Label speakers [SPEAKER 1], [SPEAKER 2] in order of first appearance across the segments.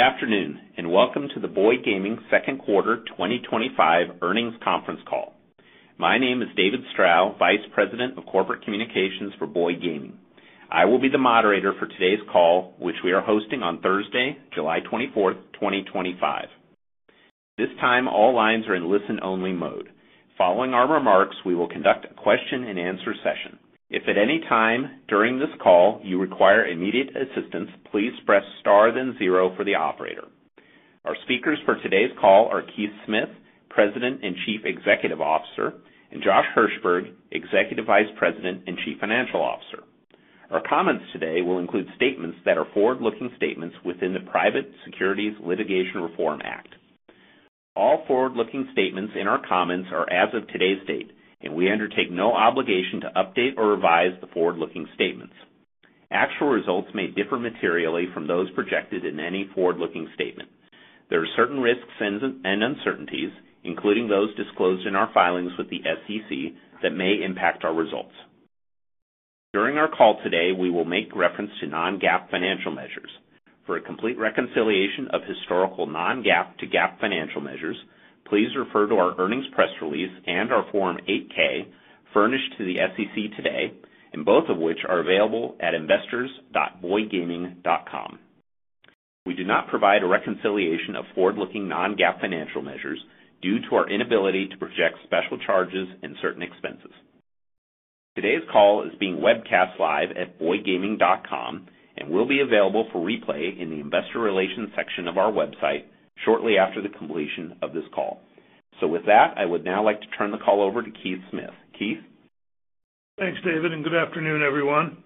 [SPEAKER 1] Good afternoon, and welcome to the Boyd Gaming Second Quarter twenty twenty five Earnings Conference Call. My name is David Strau, Vice President of Corporate Communications for Boyd Gaming. I will be the moderator for today's call, which we are hosting on Thursday, 07/24/2025. This time, all lines are in listen only mode. Following our remarks, we will conduct a question and answer session. Our speakers for today's call are Keith Smith, President and Chief Executive Officer and Josh Hirschberg, Executive Vice President and Chief Financial Officer. Our comments today will include statements that are forward looking statements within the Private Securities Litigation Reform Act. All forward looking statements in our comments are as of today's date, and we undertake no obligation to update or revise the forward looking statements. Actual results may differ materially from those projected in any forward looking statement. There are certain risks and uncertainties, including those disclosed in our filings with the SEC, that may impact our results. During our call today, we will make reference call For a complete reconciliation of historical non GAAP to GAAP financial measures, please refer to our earnings press release and our Form eight ks furnished to the SEC today, and both of which are available at investors.boygaming.com. We do not provide a reconciliation of forward looking non GAAP financial measures due to our inability to project special charges and certain expenses. Today's call is being webcast live at boygaming.com and will be available for replay in the Investor Relations section of our website shortly after the completion of this call. So with that, I would now like to turn the call over to Keith Smith. Keith?
[SPEAKER 2] Thanks, David, and good afternoon, everyone.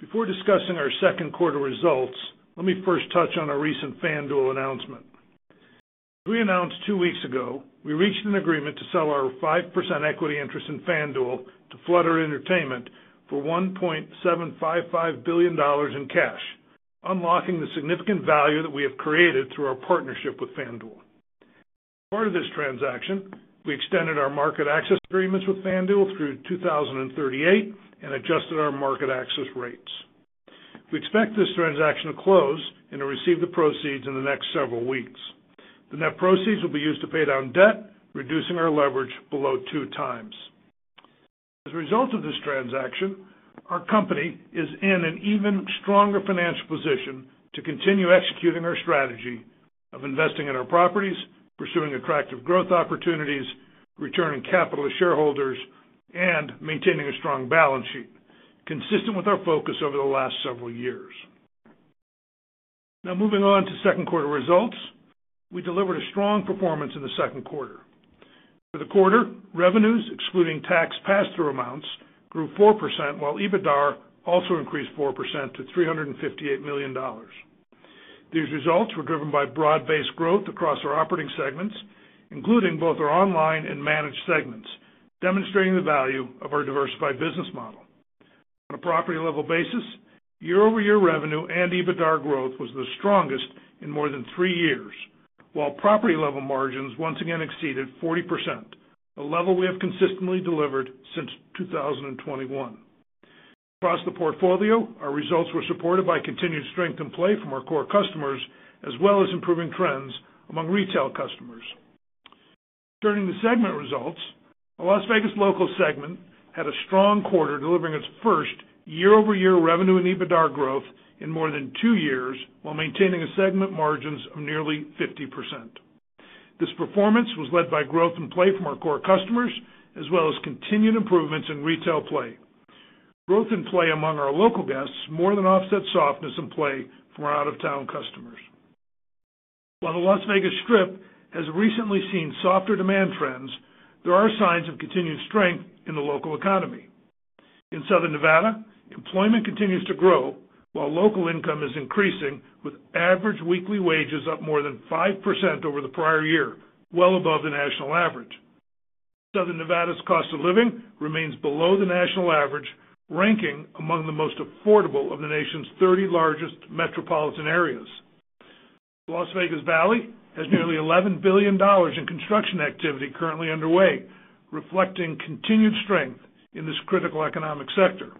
[SPEAKER 2] Before discussing our second quarter results, let me first touch on our recent FanDuel announcement. We announced two weeks ago we reached an agreement to sell our 5% equity interest in FanDuel to Flutter Entertainment for $1,755,000,000 in cash, unlocking the significant value that we have created through our partnership with FanDuel. Part of this transaction, we extended our market access agreements with FanDuel through 2038 and adjusted our market access rates. We expect this transaction to close and to receive the proceeds in the next several weeks. The net proceeds will be used to pay down debt, reducing our leverage below two times. As a result of this transaction, our company is in an even stronger financial position to continue executing our strategy of investing in our properties, pursuing attractive growth opportunities, returning capital to shareholders, and maintaining a strong balance sheet, consistent with our focus over the last several years. Now moving on to second quarter results, we delivered a strong performance in the second quarter. For the quarter, revenues excluding tax pass through amounts grew 4%, while EBITDAR also increased 4% to $358,000,000 These results were driven by broad based growth across our operating segments, including both our online and managed segments, demonstrating the value of our diversified business model. On a property level basis, year over year revenue and EBITDAR growth was the strongest in more than three years, while property level margins once again exceeded 40%, a level we have consistently delivered since 2021. Across the portfolio, our results were supported by continued strength in play from our core customers as well as improving trends among retail customers. Turning to segment results, our Las Vegas Local segment had a strong quarter delivering its first year over year revenue and EBITDAR growth in more than two years, while maintaining segment margins of nearly 50%. This performance was led by growth in play from our core customers as well as continued improvements in retail play. Growth in play among our local guests more than offset softness in play for out of town customers. While the Las Vegas Strip has recently seen softer demand trends, there are signs of continued strength in the local economy. In Southern Nevada, employment continues to grow while local income is increasing with average weekly wages up more than 5% over the prior year, well above the national average. Southern Nevada's cost of living remains below the national average ranking among the most affordable of the nation's 30 largest metropolitan areas. Las Vegas Valley has nearly $11,000,000,000 in construction activity currently underway reflecting continued strength in this critical economic sector.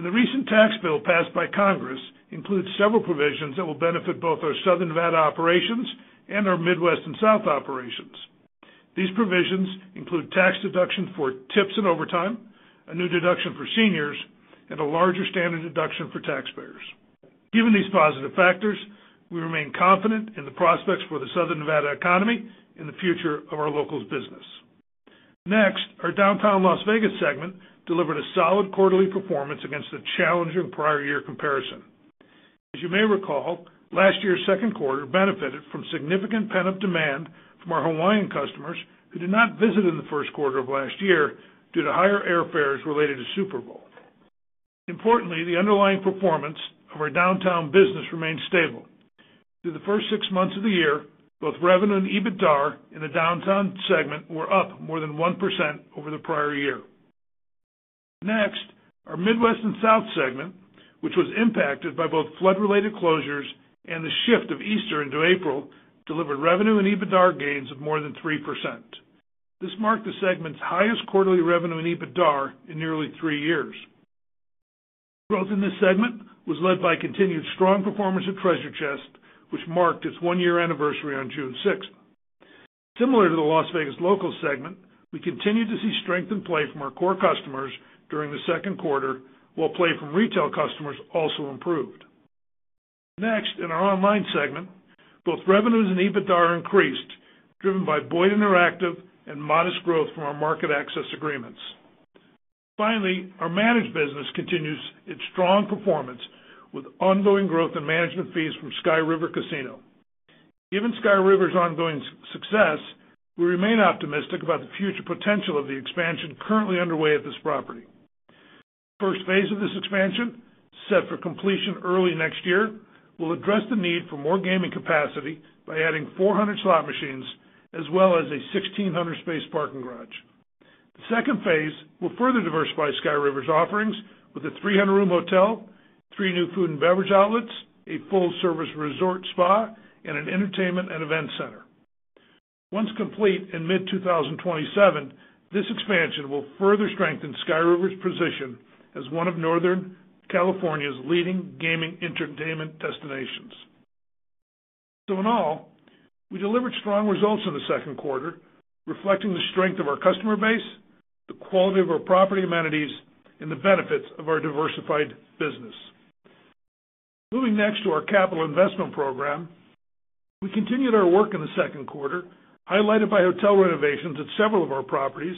[SPEAKER 2] And the recent tax bill passed by Congress includes several provisions that will benefit both our Southern Nevada operations and our Midwest and South operations. These provisions include tax deduction for tips and overtime, a new deduction for seniors and a larger standard deduction for taxpayers. Given these positive factors, we remain confident in the prospects for the Southern Nevada economy and the future of our locals business. Next, our Downtown Las Vegas segment delivered a solid quarterly performance against the challenging prior year comparison. As you may recall, last year's second quarter benefited from significant pent up demand from our Hawaiian customers who did not visit in the first quarter of last year due to higher airfares related to Super Bowl. Importantly, the underlying performance of our downtown business remained stable. Through the first six months of the year, both revenue and EBITDAR in the downtown segment were up more than 1% over the prior year. Next, our Midwest and South segment, which was impacted by both flood related closures and the shift of Easter into April, delivered revenue and EBITDAR gains of more than 3%. This marked the segment's highest quarterly revenue and EBITDAR in nearly three years. Growth in this segment was led by continued strong performance at Treasure Chest, which marked its one year anniversary on June 6. Similar to the Las Vegas Locals segment, we continue to see strength in play from our core customers during the second quarter, while play from retail customers also improved. Next, in our online segment, both revenues and EBITDA increased driven by Boyd Interactive and modest growth from our market access agreements. Finally, our managed business continues its strong performance with ongoing growth and management fees from Sky River Casino. Given Sky River's ongoing success, we remain optimistic about the future potential of the expansion currently underway at this property. First phase of this expansion, set for completion early next year, will address the need for more gaming capacity by adding 400 slot machines as well as a 1,600 space parking garage. The second phase will further diversify Sky River's offerings with a 300 room hotel, three new food and beverage outlets, a full service resort spa, and an entertainment and event center. Once complete in mid-twenty twenty seven, this expansion will further strengthen Sky River's position as one of Northern California's leading gaming entertainment destinations. So in all, we delivered strong results in the second quarter, reflecting the strength of our customer base, the quality of our property amenities and the benefits of our diversified business. Moving next to our capital investment program, we continued our work in the second quarter highlighted by hotel renovations at several of our properties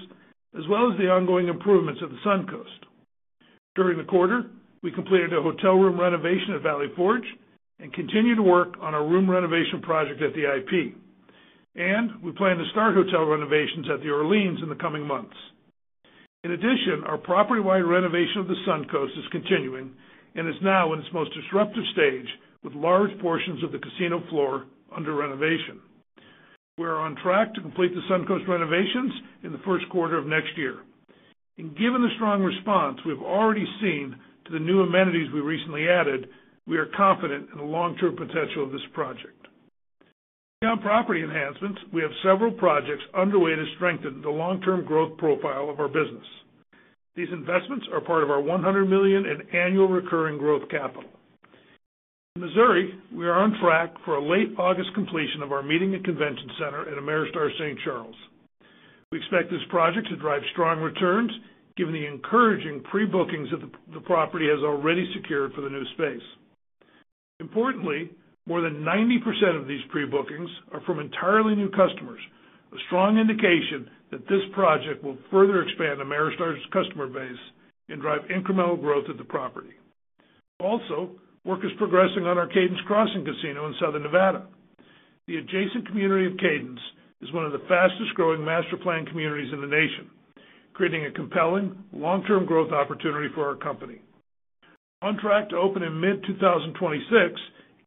[SPEAKER 2] as well as the ongoing improvements at The Suncoast. During the quarter, we completed a hotel room renovation at Valley Forge and continue to work on our room renovation project at the IP. And we plan to start hotel renovations at the Orleans in the coming months. In addition, our property wide renovation of The Suncoast is continuing and is now in its most disruptive stage with large portions of the casino floor under renovation. We are on track to complete the Suncoast renovations in the first quarter of next year. And given the strong response we've already seen to the new amenities we recently added, we are confident in the long term potential of this project. On property enhancements, we have several projects underway to strengthen the long term growth profile of our business. These investments are part of our $100,000,000 in annual recurring growth capital. In Missouri, we are on track for a late August completion of our meeting and convention center at Ameristar St. Charles. We expect this project to drive strong returns given the encouraging pre bookings that the property has already secured for the new space. Importantly, more than 90% of these pre bookings are from entirely new customers, a strong indication that this project will further expand Ameristar's customer base and drive incremental growth at the property. Also, work is progressing on our Cadence Crossing Casino in Southern Nevada. The adjacent community of Cadence is one of the fastest growing master plan communities in the nation, creating a compelling long term growth opportunity for our company. On track to open in mid-twenty twenty six,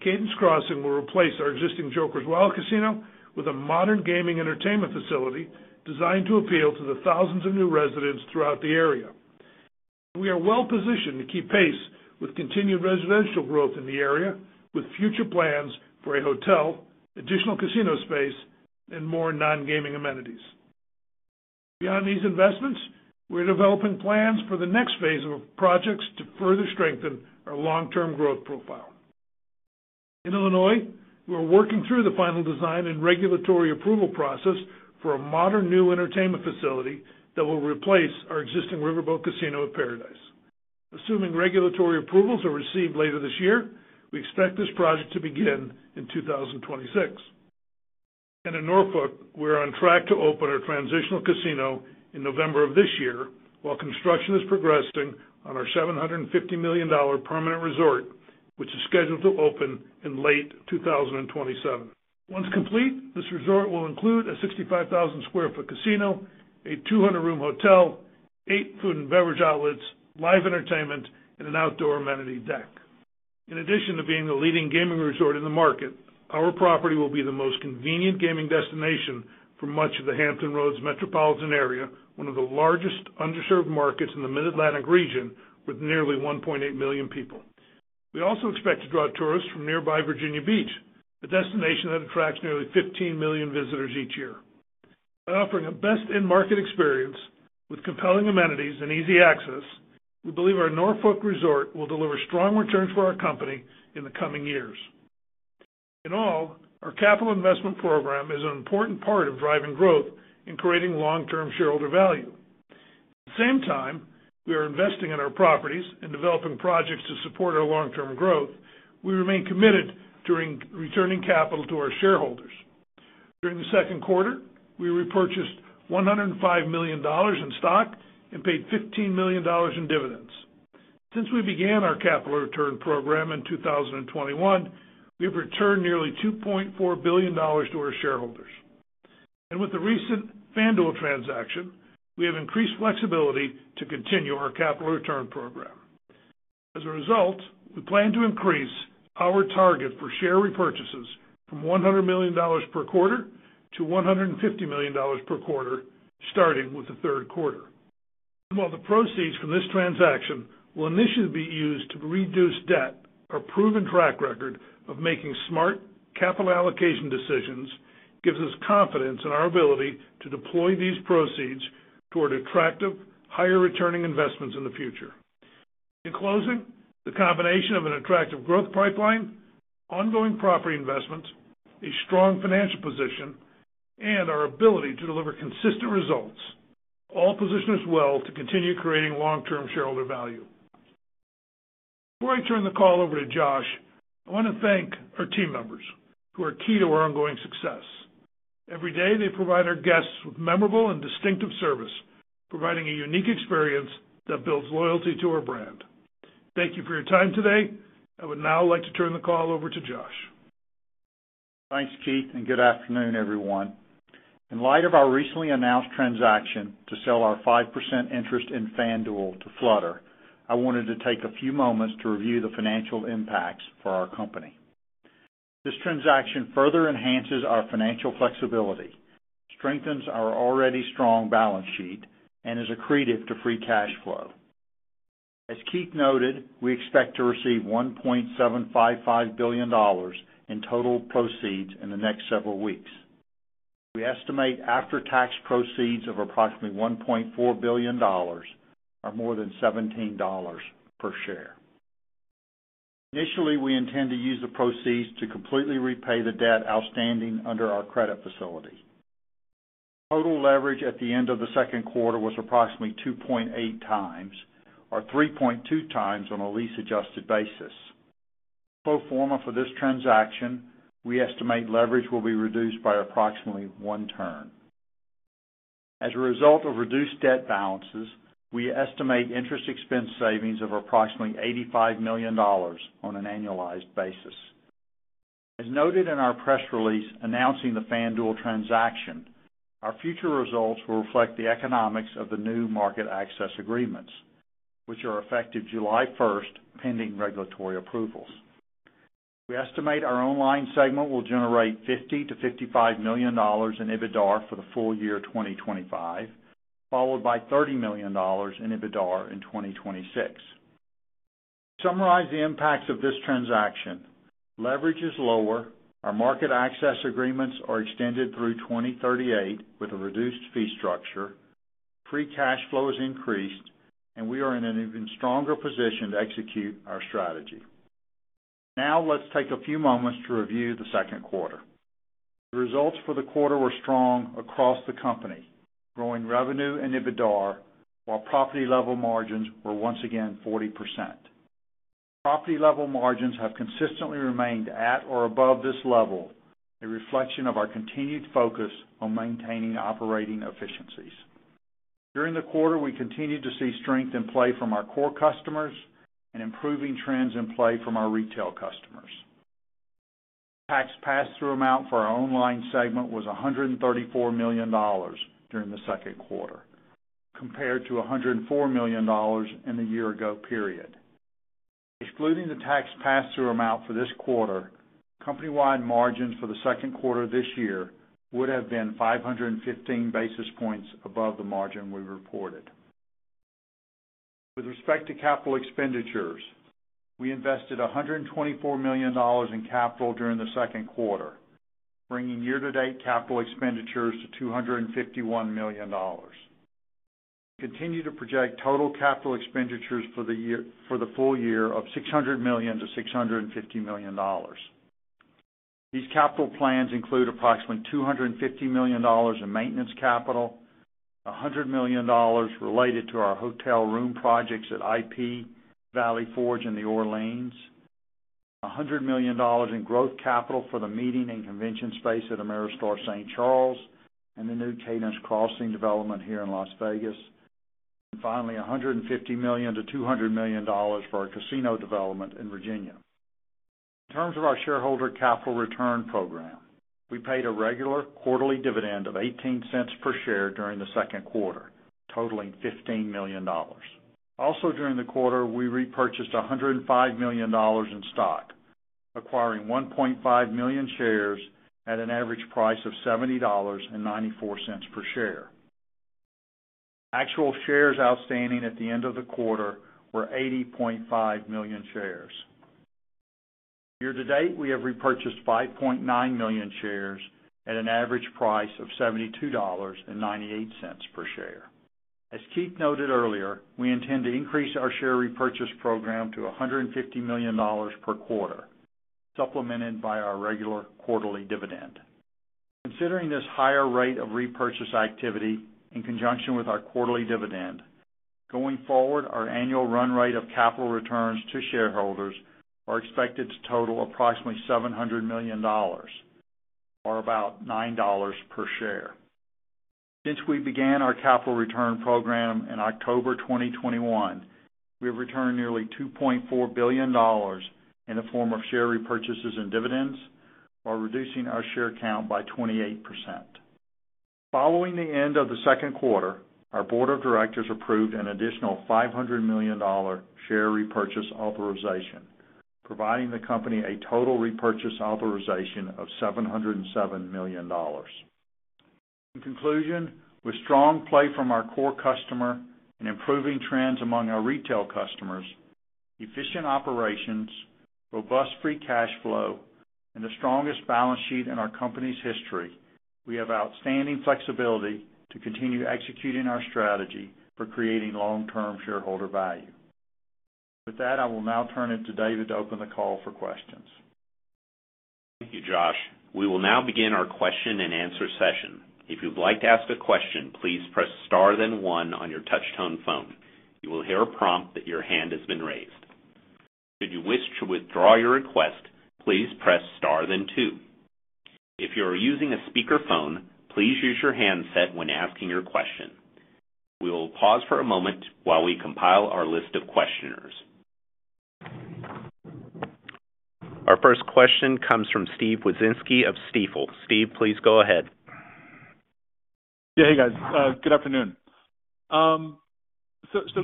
[SPEAKER 2] Cadence Crossing will replace our existing Joker's Wild Casino with a modern gaming entertainment facility designed to appeal to the thousands of new residents throughout the area. We are well positioned to keep pace with continued residential growth in the area with future plans for a hotel, additional casino space and more non gaming amenities. Beyond these investments, we're developing plans for the next phase of projects to further strengthen our long term growth profile. In Illinois, we're working through the final design and regulatory approval process for a modern new entertainment facility that will replace our existing Riverboat Casino at Paradise. Assuming regulatory approvals are received later this year, we expect this project to begin in 2026. And in Norfolk, we're on track to open our transitional casino in November, while construction is progressing on our $750,000,000 permanent resort, which is scheduled to open in late twenty twenty seven. Once complete, this resort will include a 65,000 square foot casino, a 200 room hotel, eight food and beverage outlets, live entertainment and an outdoor amenity deck. In addition to being the leading gaming resort in the market, our property will be the most convenient gaming destination for much of the Hampton Roads Metropolitan area, one of the largest underserved markets in the Mid Atlantic region with nearly 1,800,000 people. We also expect to draw tourists from nearby Virginia Beach, a destination that attracts nearly 15,000,000 visitors each year. By offering a best in market experience with compelling amenities and easy access, we believe our Norfolk resort will deliver strong returns for our company in the coming years. In all, our capital investment program is an important part of driving growth and creating long term shareholder value. The same time, we are investing in our properties and developing projects to support our long term growth. We remain committed to returning capital to our shareholders. During the second quarter, we repurchased $105,000,000 in stock and paid $15,000,000 in dividends. Since we began our capital return program in 2021, we've returned nearly $2,400,000,000 to our shareholders. And with the recent FanDuel transaction, we have increased flexibility to continue our capital return program. As a result, we plan to increase our target for share repurchases from $100,000,000 per quarter to $150,000,000 per quarter starting with the third quarter. And while the proceeds from this transaction will initially be used to reduce debt, our proven track record of making smart capital allocation decisions gives us confidence in our ability to deploy these proceeds toward attractive higher returning investments in the future. In closing, the combination of an attractive growth pipeline, ongoing property investments, a strong financial position and our ability to deliver consistent results, all position us well to continue creating long term shareholder value. Before I turn the call over to Josh, I want to thank our team members who are key to our ongoing success. Every day they provide our guests with memorable and distinctive service, providing a unique experience that builds loyalty to our brand. Thank you for your time today. I would now like to turn the call over to Josh.
[SPEAKER 3] Thanks, Keith, and good afternoon, everyone. In light of our recently announced transaction to sell our 5% interest in FanDuel to Flutter, I wanted to take a few moments to review the financial impacts for our company. This transaction further enhances our financial flexibility, strengthens our already strong balance sheet and is accretive to free cash flow. As Keith noted, we expect to receive $1,755,000,000 in total proceeds in the next several weeks. We estimate after tax proceeds of approximately $1,400,000,000 or more than $17 per share. Initially, we intend to use the proceeds to completely repay the debt outstanding under our credit facility. Total leverage at the end of the second quarter was approximately 2.8 times or 3.2 times on a lease adjusted basis. Pro form a for this transaction, we estimate leverage will be reduced by approximately one turn. As a result of reduced debt balances, we estimate interest expense savings of approximately $85,000,000 on an annualized basis. As noted in our press release announcing the FanDuel transaction, our future results will reflect the economics of the new market access agreements, which are effective July 1, pending regulatory approvals. We estimate our online segment will generate $50,000,000 to $55,000,000 in EBITDAR for the full year 2025 followed by $30,000,000 in EBITDAR in 2026. Summarize the impacts of this transaction, leverage is lower, our market access agreements are extended through 2038 with a reduced fee structure, free cash flow is increased and we are in an even stronger position to execute our strategy. Now let's take a few moments to review the second quarter. The results for the quarter were strong across the company, growing revenue and EBITDAR, while property level margins were once again 40%. Property level margins have consistently remained at or above this level, a reflection of our continued focus on maintaining operating efficiencies. During the quarter, we continued to see strength in play from our core customers and improving trends in play from our retail customers. Tax pass through amount for our online segment was $134,000,000 during the second quarter compared to $104,000,000 in the year ago period. Excluding the tax pass through amount for this quarter, company wide margins for the second quarter of this year would have been five fifteen basis points above the margin we reported. With respect to capital expenditures, we invested $124,000,000 in capital during the second quarter, bringing year to date capital expenditures to $251,000,000 We continue to project total capital expenditures for full year of $600,000,000 to $650,000,000 These capital plans include approximately $250,000,000 in maintenance capital, dollars 100,000,000 related to our hotel room projects at IP, Valley Forge and the Orleans, dollars 100,000,000 in growth capital for the meeting and convention space at Ameristar St. Charles and the new Cadence Crossing development here in Las Vegas, and finally $150,000,000 to $200,000,000 for our casino development in Virginia. In terms of our shareholder capital return program, we paid a regular quarterly dividend of $0.18 per share during the second quarter, $15,000,000 Also during the quarter, we repurchased $105,000,000 in stock, acquiring 1,500,000.0 shares at an average price of $70.94 per share. Actual shares outstanding at the end of the quarter were 80,500,000.0 shares. Year to date, we have repurchased 5,900,000.0 shares at an average price of $72.98 per share. As Keith noted earlier, we intend to increase our share repurchase program to $150,000,000 per quarter, supplemented by our regular quarterly dividend. Considering this higher rate of repurchase activity in conjunction with our quarterly dividend, going forward our annual run rate of capital returns to shareholders are expected to total approximately $700,000,000 or about $9 per share. Since we began our capital return program in October 2021, we have returned nearly $2,400,000,000 in the form of share repurchases and dividends, while reducing our share count by 28%. Following the end of the second quarter, our Board of Directors approved an additional $500,000,000 share repurchase authorization, providing the company a total repurchase authorization of $7.00 $7,000,000 In conclusion, with strong play from our core customer and improving trends among our retail customers, efficient operations, robust free cash flow and the strongest balance sheet in our company's history, we have outstanding flexibility to continue executing our strategy for creating long term shareholder value. With that, I will now turn it to David to open the call for questions.
[SPEAKER 1] Thank you, Josh. We will now begin our question and answer session. If you would like to ask a question, please press star then 1 on your touchtone phone. You will hear a prompt that your hand has been raised. Should you wish to withdraw your request, please press then 2. If you are using a speakerphone, please use your handset when asking your question. We will pause for a moment while we compile our list of questioners. Our first question comes from Steve Wieczynski of Stifel. Steve, please go ahead.
[SPEAKER 4] Yes. Hey, guys. Good afternoon.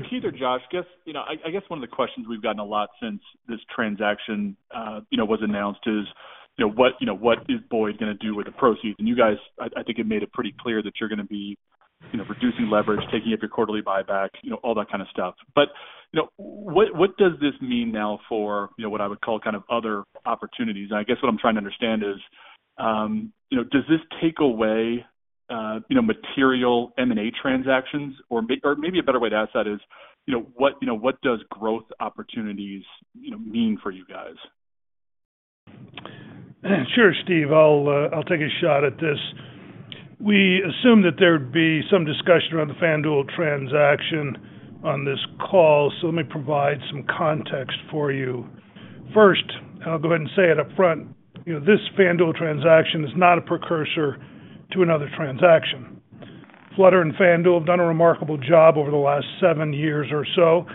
[SPEAKER 4] Keith or Josh, I guess one of the questions we've gotten a lot since this transaction was announced is what is Boyd going to do with the proceeds? And you guys, I think, have made it pretty clear that you're going to be reducing leverage, taking up your quarterly buyback, all that kind of stuff. But what does this mean now for what I would call kind of other opportunities? And I guess what I'm trying to understand is, does this take away material M and A transactions? Or maybe a better way to ask that is, what does growth opportunities mean for you guys?
[SPEAKER 2] Sure, Steve. I'll take a shot at this. We assume that there would be some discussion transaction on this call. So let me provide some context for you. First, I will go ahead and say it upfront. This FanDuel transaction is not a precursor to another transaction. Flutter and FanDuel have done a remarkable job over the last seven years or so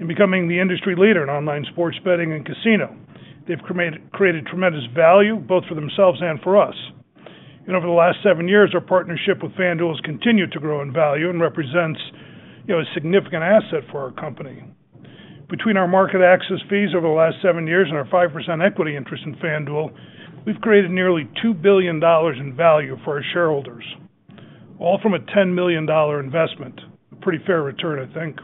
[SPEAKER 2] in becoming the industry leader in online sports betting and casino. They have created tremendous value both for themselves and for us. And over the last seven years, our partnership with FanDuel has continued to grow in value and represents a significant asset for our company. Between our market access fees over the last seven years and our 5% equity interest in FanDuel, we have created nearly $2,000,000,000 in value for our shareholders, all from a $10,000,000 investment, a pretty fair return I think.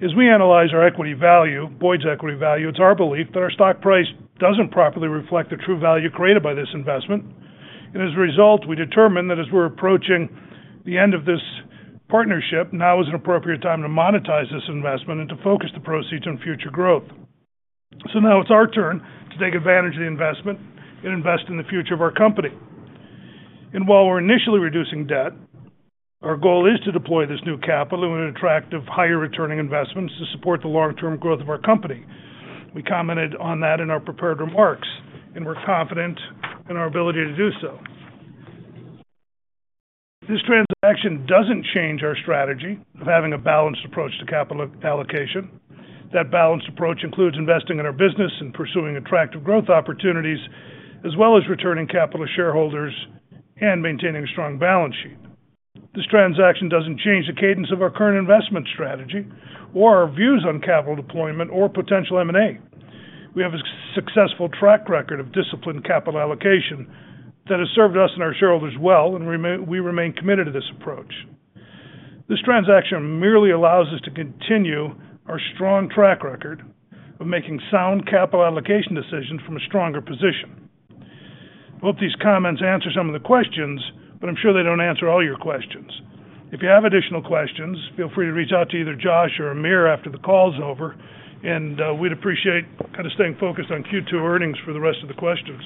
[SPEAKER 2] As we analyze our equity value, Boyd's equity value, it's our belief that our stock price doesn't properly reflect the true value created by this investment. And as a result, we determined that as we are approaching the end of this partnership, now is an appropriate time to monetize this investment and to focus the proceeds on future growth. So now it's our turn to take advantage of the investment and invest in the future of our company. And while we are initially reducing debt, our goal is to deploy this new capital in an attractive higher returning investments to support the long term growth of our company. We commented on that in our prepared remarks and we are confident in our ability to do so. This transaction doesn't change our strategy of having a balanced approach to capital allocation. That balanced approach includes investing in our business and pursuing attractive growth opportunities as well as returning capital to shareholders and maintaining a strong balance sheet. This transaction doesn't change the cadence of our current investment strategy or our views on capital deployment or potential M and A. We have a successful track record of disciplined capital allocation that has served us and our shareholders well and we remain committed to this approach. This transaction merely allows us to continue our strong track record of making sound capital allocation decisions from a stronger position. Questions. If you have additional questions, feel free to reach out to either Josh or Amir after the call is over and we'd appreciate kind of staying focused on Q2 earnings for the rest of the questions.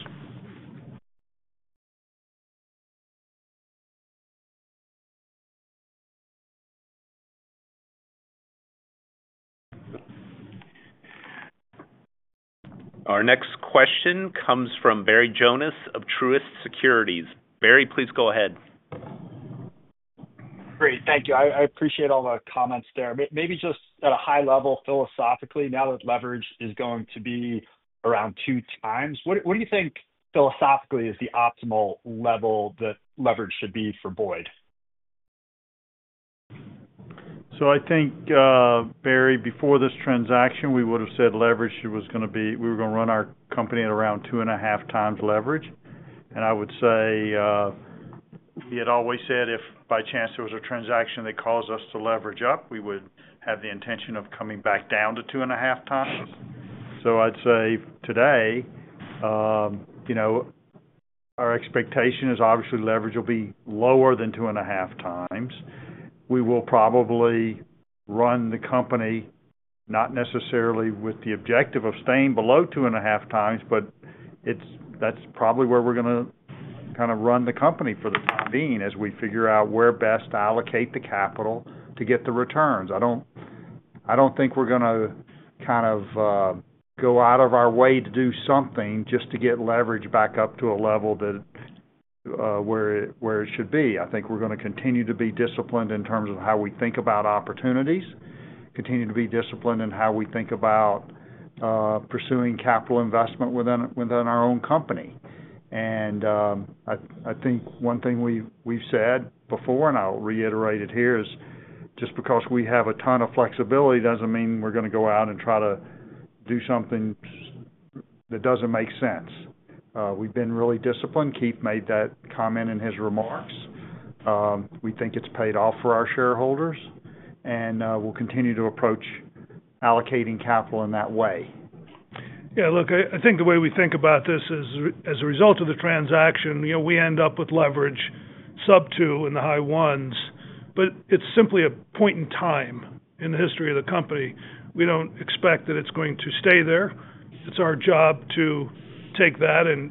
[SPEAKER 1] Our next question comes from Barry Jonas of Truist Securities. Barry, please go ahead.
[SPEAKER 5] Great. Thank you. I appreciate all the comments there. Maybe just at a high level, philosophically, now that leverage is going to be around 2x, what do you think philosophically is the optimal level that leverage should be for Boyd?
[SPEAKER 3] So I think, Barry, before this transaction, we would have said leverage was going to be we were going to run our company at around 2.5x leverage. And I would say, we had always said if by chance there was a transaction that caused us to leverage up, we would have the intention of coming back down to 2.5x. So I'd say today, expectation is obviously leverage will be lower than 2.5x. We will probably run the company not necessarily with the objective of staying below 2.5 times, but that's probably where we are going to run the company for the time being as we figure out where best to allocate the capital to get the returns. I don't think we are going to kind of go out of our way to do something just to get leverage back up to a level that where it should be. I think we're going to continue to be disciplined in terms of how we think about opportunities, continue to be disciplined in how we think about pursuing capital investment within our own company. And I think one thing we've said before and I'll reiterate it here is just because we have a ton of flexibility doesn't mean we're going to go out and try to do something that doesn't make sense. We've been really disciplined. Keith made that comment in his remarks. We think it's paid off for our shareholders and we'll continue to approach allocating capital in that way.
[SPEAKER 2] Yes. Look, I think the way we think about this is as a result of the transaction, end up with leverage sub-two in the high-1s. But it's simply a point in time in the history of the company. We don't expect that it's going to stay there. It's our job to take that and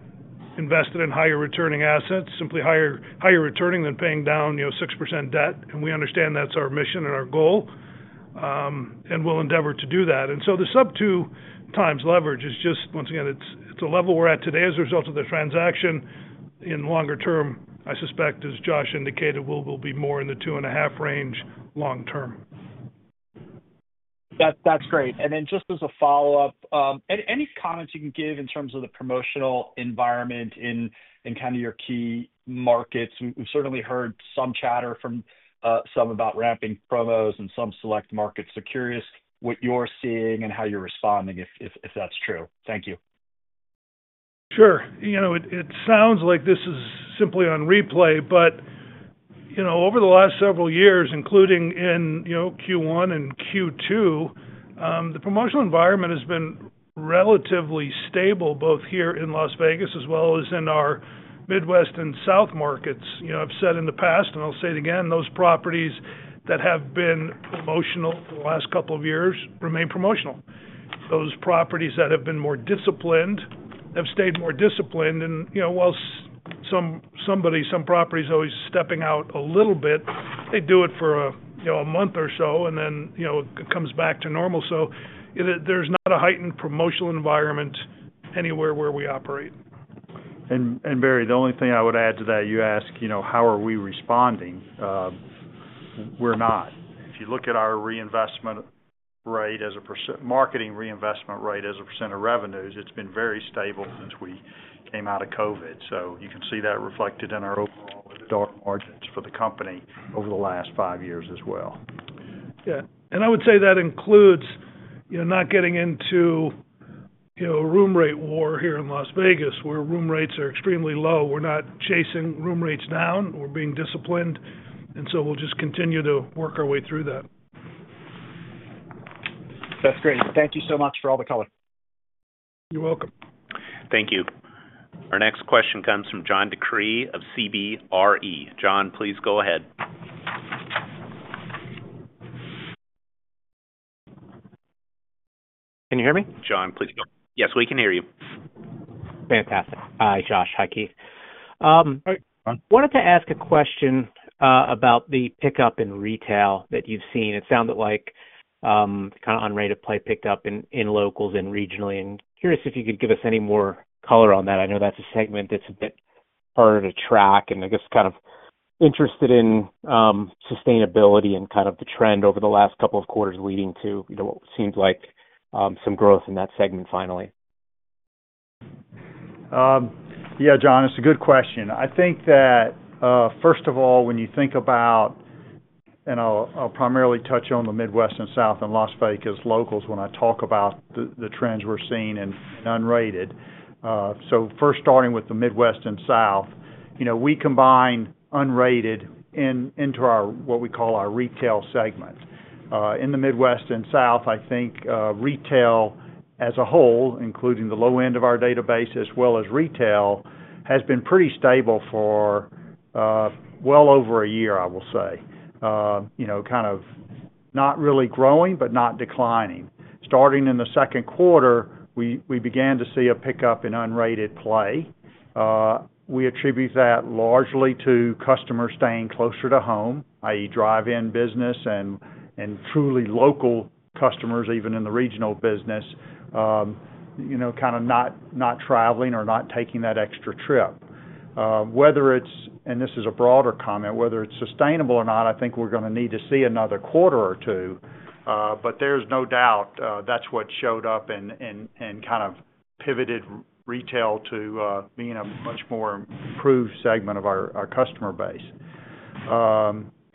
[SPEAKER 2] invest it in higher returning assets, simply higher returning than paying down 6% debt. And we understand that's our mission and our goal and we'll endeavor to do that. And so the sub two times leverage is just once again it's a level we're at today as a result of the transaction in longer term I suspect as Josh indicated we'll be more in the 2.5 range long term.
[SPEAKER 5] That's great. And then just as a follow-up, any comments you can give in terms of the promotional environment in kind of your key markets? We certainly heard some chatter from some about ramping promos in some select markets. So curious what you are seeing and how you are responding if that's true? Thank you.
[SPEAKER 2] Sure. It sounds like this is simply on replay, but over the last several years including in Q1 and Q2, the promotional environment has been relatively stable both here in Las Vegas as well as in our Midwest and South markets. I've said in the past and I'll say it again, those properties that have been promotional for the last couple of years remain promotional. Those properties that have been more disciplined have stayed more disciplined and while somebody, some properties always stepping out a little bit, they do it for a month or so and then it comes back to normal. So there is not a heightened promotional environment anywhere where we operate.
[SPEAKER 3] And Barry, the only thing I would add to that you ask, how are we responding? We're not. If you look at our reinvestment rate as a percent marketing reinvestment rate as a percent of revenues, it's been very stable since we came out of COVID. So you can see that reflected in our EBITDA margins for the company over the last five years as well.
[SPEAKER 2] Yes. And I would say that includes not getting into room rate war here in Las Vegas where room rates are extremely low. We're not chasing room rates down or being disciplined. And so we'll just continue to work our way through that.
[SPEAKER 5] That's great. Thank you so much for all the color.
[SPEAKER 2] You're welcome.
[SPEAKER 1] Thank you. Our next question comes from John DeCree of CBRE. John, please go ahead.
[SPEAKER 6] Can you hear me?
[SPEAKER 1] John, please go ahead. Yes, we can hear you.
[SPEAKER 6] Fantastic. Hi, Josh. Hi, Keith. John. Wanted to ask a question about the pickup in retail that you've seen. It sounded like kind of on rate of play pickup in locals and regionally. And curious if you could give us any more color on that. I know that's a segment that's a bit harder to track. And I guess kind of interested in sustainability and kind of the trend over the last couple of quarters leading to what seems like some growth in that segment finally.
[SPEAKER 3] Yes, John, it's a good question. I think that first of all, when you think about and I'll primarily touch on the Midwest and South and Las Vegas locals when I talk about the trends we're seeing in unrated. So first starting with the Midwest and South, we combine unrated into our what we call our retail segment. In the Midwest and South, I think retail as a whole, the low end of our database as well as retail has been pretty stable for well over a year, I will say, kind of not really growing, but not declining. Starting in the second quarter, we began to see a pickup in unrated play. We attribute that largely to customers staying closer to home, I. E. Drive in business and truly local customers even in the regional business, kind of not traveling or not taking that extra trip. Whether it's and this is a broader comment, whether it's sustainable or not, I think we're going to need to see another quarter or two. But there is no doubt that's what showed up and kind of pivoted retail to being a much more improved segment of our customer base.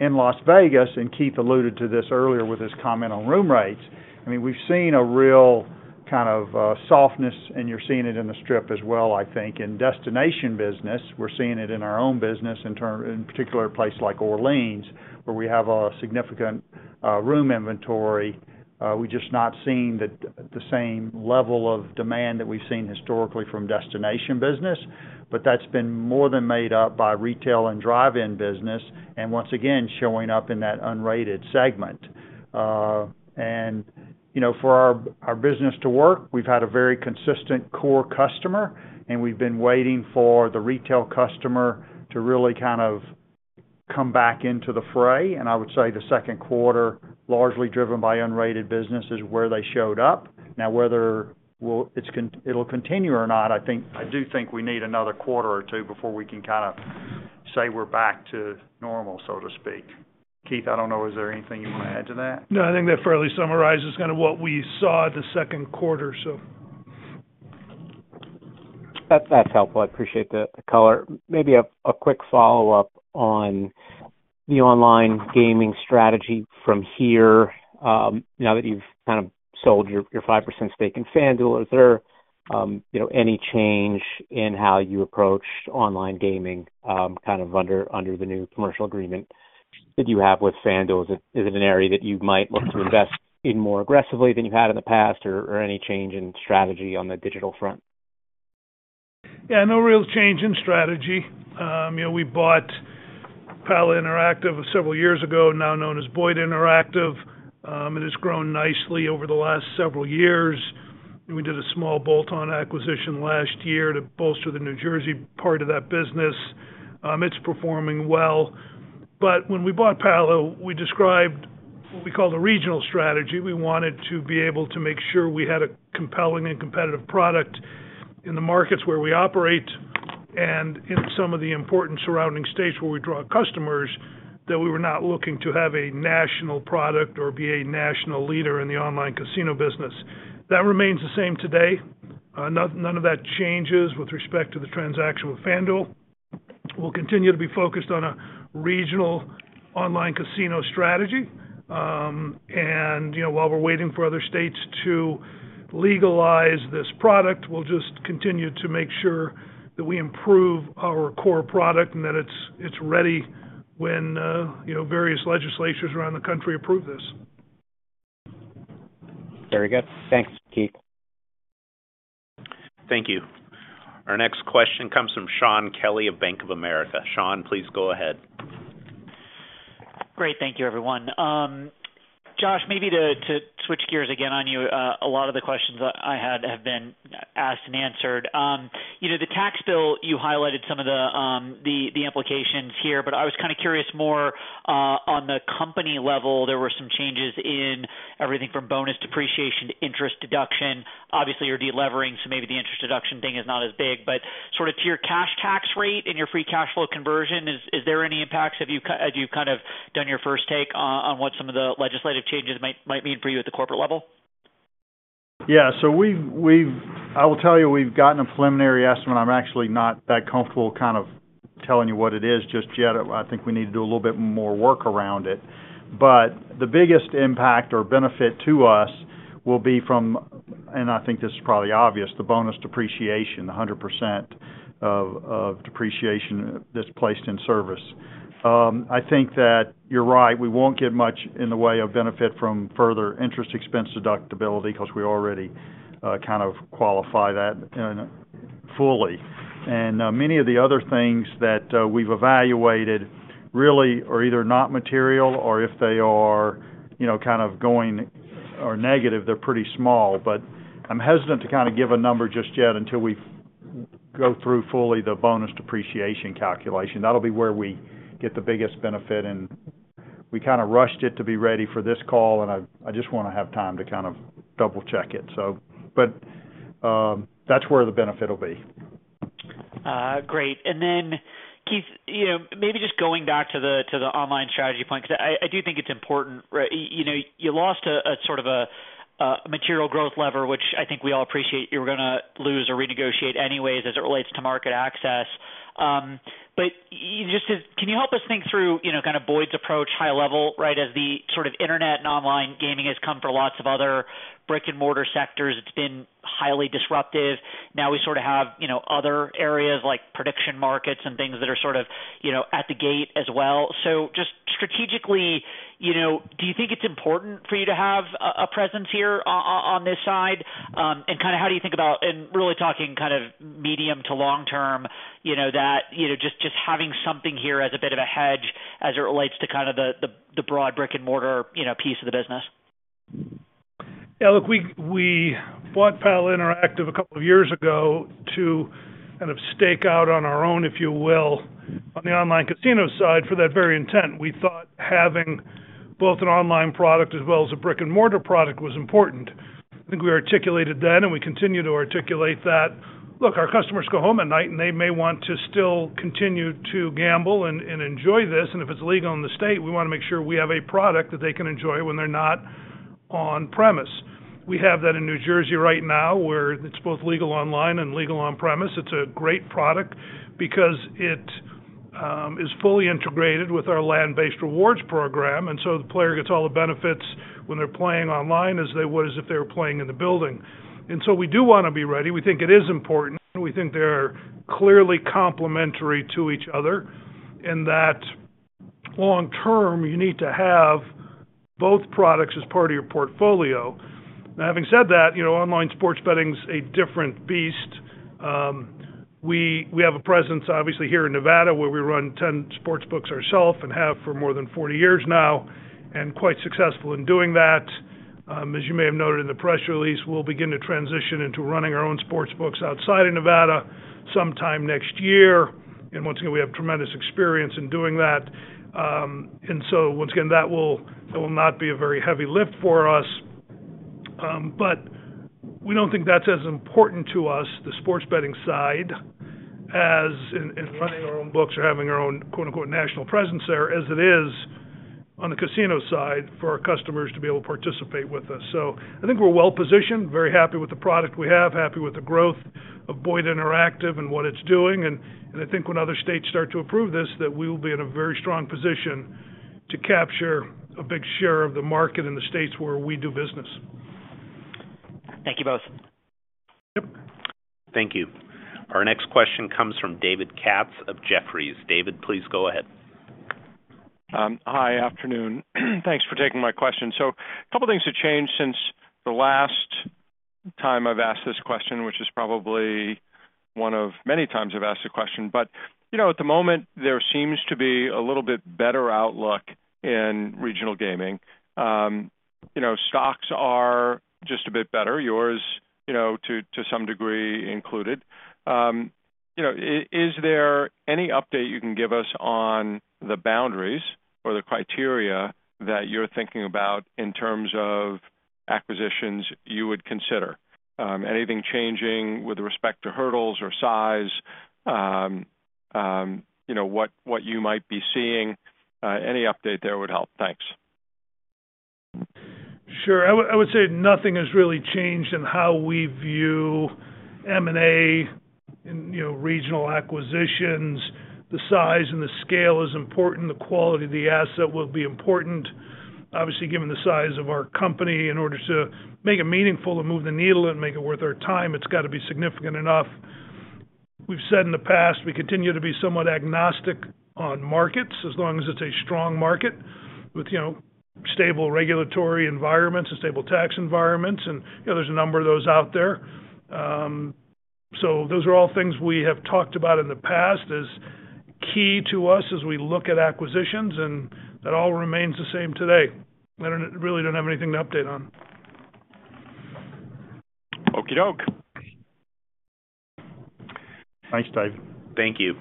[SPEAKER 3] In Las Vegas and Keith alluded to this earlier with his comment on room rates, I mean, we've seen a real kind of softness and you're seeing it in The Strip as well I think in destination business. We're seeing it in our own business in particular place like Orleans where we have a significant room inventory. We're just not seeing the same level of demand that we've seen historically from destination business, but that's been more than made up by retail and drive in business and once again showing up in that unrated segment. And for our business to work, we've had a very consistent core customer and we've been waiting for the retail customer to really kind of come back into the fray. I would say the second quarter largely driven by unrated business is where they showed up. Now whether it will continue or not, I do think we need another quarter or two before we can kind of say we are back to normal so to speak. Keith, I don't know, is there anything you want to add to that?
[SPEAKER 2] No, I think that fairly summarizes kind of what we saw at the second quarter.
[SPEAKER 6] That's helpful. I appreciate the color. Maybe a quick follow-up on the online gaming strategy from here. Now that you've kind of sold your 5% stake in FanDuel, is there any change in how you approach online gaming kind of under the new commercial agreement that you have with Sandoz. Is it an area that you might look to invest in more aggressively than you've had in the past or any change in strategy on the digital front?
[SPEAKER 2] Yes, no real change in strategy. We bought Palo Interactive several years ago now known as Boyd Interactive. It has grown nicely over the last several years. We did a small bolt on acquisition last year to bolster the New Jersey part of that business. It's performing well. But when we bought Palo, we described what we call the regional strategy. We wanted to be able to make sure we had a compelling and competitive product in the markets where we operate and in some of the important surrounding states where we draw customers that we were not looking to have a national product or be a national leader in the online casino business. That remains the same today. None of that changes with respect to the transaction with FanDuel. We will continue to be focused on a regional online casino strategy. And while we're waiting for other states to legalize this product, we'll just continue to make sure that we improve our core product and that it's ready when various legislations around the country approve this.
[SPEAKER 6] Very good. Thanks, Keith.
[SPEAKER 1] Thank you. Our next question comes from Shaun Kelley of Bank of America. Shaun, please go ahead.
[SPEAKER 7] Great. Thank you, everyone. Josh, maybe to switch gears again on you, a lot of the questions I had have been asked and answered. The tax bill, you highlighted some of the implications here, but I was kind of curious more on the company level, there were some changes in everything from bonus depreciation to interest deduction. Obviously, you're delevering, so maybe the interest deduction thing is not as big. But sort of to your cash tax rate and your free cash flow conversion, is there any impacts? Have you kind of done your first take on what some of the legislative changes might mean for you at the corporate level?
[SPEAKER 3] Yes. I will tell you we've gotten a preliminary estimate. I'm actually not that comfortable kind of telling you what it is just yet. I think we need to do a little bit more work around it. But the biggest impact or benefit to us will be from and I think this is probably obvious, the bonus depreciation, 100% of depreciation that's placed in service. I think that you're right, we won't get much in the way of benefit from further interest expense deductibility because we already kind of qualify that fully. And many of the other things that we've evaluated really are either not material or if they are kind of going negative, they're pretty small. But I'm hesitant to kind of give a number just yet until we go through fully the bonus depreciation calculation. That will be where we get the biggest benefit and we kind of rushed it to be ready for this call and I just want to have time to kind of double check it. That's where the benefit will be.
[SPEAKER 7] Great. And then, Keith, maybe just going back to the online strategy point, because I do think it's important, right? You lost a sort of a material growth lever, which I think we all appreciate you were going to lose or renegotiate anyways as it relates to market access. But just can you help us think through kind of Boyd's approach high level, right, as the sort of Internet and online gaming has come for lots of other brick and mortar sectors. It's been highly disruptive. Now we sort of have other areas like prediction markets and things that are sort of at the gate as well. So just strategically, do you think it's important for you to have a presence here on this side? And kind of how do you think about and really talking kind of medium to long term that just having something here as a bit of a hedge as it relates to kind of the broad brick and mortar piece of the business?
[SPEAKER 2] Yes, look, bought Palo Interactive a couple of years ago to kind of stake out on our own if you will on the online casino side for that very intent. We thought having both an online product as well as a brick and mortar product was important. I think we articulated that and we continue to articulate that. Look our customers go home at night and they may want to still continue to gamble and enjoy this and if it's legal in the state, want to make sure we have a product that they can enjoy when they are not on premise. We have that in New Jersey right now where it's both legal online and legal on premise. It's a great product because it is fully integrated with our land based rewards program and so the player gets all the benefits when they are playing online as they were as if they were playing in the building. And so we do want to be ready. We think it is important and we think they are clearly complementary to each other and that long term you need to have both products as part of your portfolio. Having said that, online sports betting is a different beast. We have a presence obviously here in Nevada where we run 10 sports books ourselves and have for more than forty years now and quite successful in doing that. As you may have noted in the press release, we will begin to transition into running our own sports books outside of Nevada sometime next year. And once again we have tremendous experience in doing that. And so once again that will not be a very heavy lift for us. But we don't think that's as important to us the sports betting side as in running our own books or having our own national presence there as it is on the casino side for our customers to be able to participate with us. So I think we are well positioned, very happy with the product we have, happy with the growth of Boyd Interactive and what it's doing and I think when other states start to approve this that we will be in a very strong position to capture a big share of the market in the states where we do business.
[SPEAKER 6] Thank you both.
[SPEAKER 1] Thank you. Our next question comes from David Katz of Jefferies. David, please go ahead.
[SPEAKER 8] Hi, afternoon. Thanks for taking my question. So, couple of things have changed since the last time I've asked this question, which is probably one of many times I've asked this question. But, you know, at the moment, there seems to be a little bit better outlook in regional gaming. You know, stocks are just a bit better. Yours, you know, to to some degree included. Is there any update you can give us on the boundaries or the criteria that you're thinking about in terms of acquisitions you would consider? Anything changing with respect to hurdles or size? What you might be seeing? Any update there would help. Thanks.
[SPEAKER 2] Sure. I would say nothing has really changed in how we view M and A regional acquisitions, the size and the scale is important, the quality of the asset will be important. Obviously given the size of our company in order to make it meaningful and move the needle and make it worth our time, it's got to be significant enough. We have said in the past, we continue to be somewhat agnostic on markets as long as it's a strong market with stable regulatory environments and stable tax environments and there is a number of those out there. So those are all things we have talked about in the past is key to us as we look at acquisitions and that all remains the same today. I really don't have anything to update on.
[SPEAKER 1] Thanks, Dave. Thank you.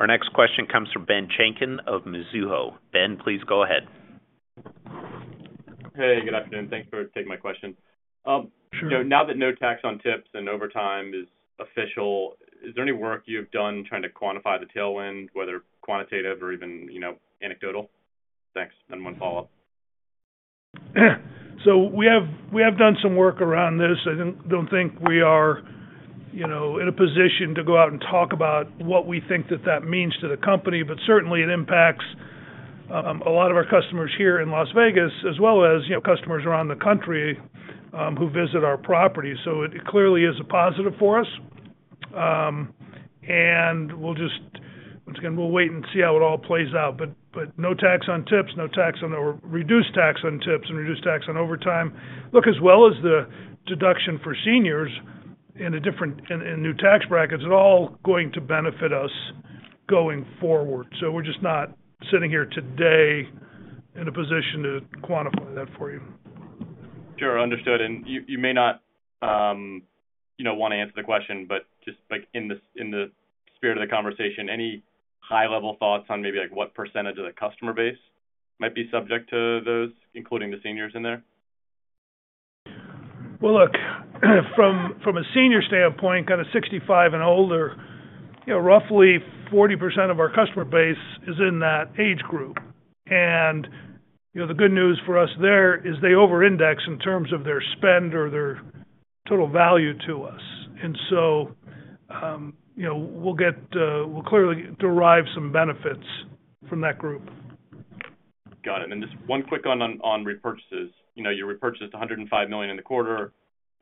[SPEAKER 1] Our next question comes from Ben Chenken of Mizuho. Ben, please go ahead.
[SPEAKER 9] Hey, good afternoon. Thanks for taking my question. Sure. Now that no tax on tips and overtime is official, is there any work you've done trying to quantify the tailwind whether quantitative or even anecdotal? Thanks. And one follow-up.
[SPEAKER 2] So we have done some work around this. I don't think we are in a position to go out and talk about what we think that that means to the company. But certainly it impacts a lot of our customers here in Las Vegas as well as customers around the country who visit our property. So it clearly is a positive for us and we will just once again, we'll wait and see how it all plays out. But no tax on tips, no tax on reduced tax on tips and reduced tax on overtime. Look as well as the deduction for seniors in a different in new tax brackets are all going to benefit us going forward. So we're just not sitting here today in a position to quantify that for you.
[SPEAKER 9] Sure, understood. And you may not want to answer the question, but just like in the spirit of the conversation, any high level thoughts on maybe like what percentage of the customer base might be subject to those including the seniors in there?
[SPEAKER 2] Well, look, from a senior standpoint kind of 65 and older, roughly 40% of our customer base is in that age group. And the good news for us there is they over index in terms of their spend or their total value to us. And we'll get we'll clearly derive some benefits from that group.
[SPEAKER 9] Got it. And just one quick one on repurchases. You repurchased $105,000,000 in the quarter.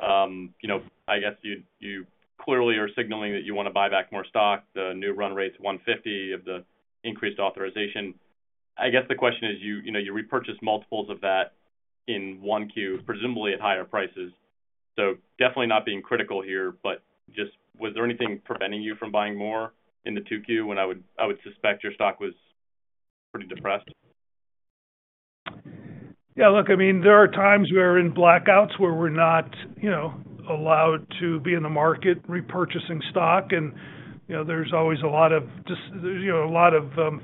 [SPEAKER 9] I guess you clearly are signaling that you want to buy back more stock, the new run rate's 150 of the increased authorization. I guess the question is, repurchased multiples of that in 1Q, presumably at higher prices. So, definitely not being critical here, but just was there anything preventing you from buying more in the 2Q when I would suspect your stock was pretty depressed?
[SPEAKER 2] Yes, look, I mean, there are times we are in blackouts where we're not allowed to be in the market repurchasing stock and there is always a lot of